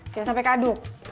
jangan sampe kaduk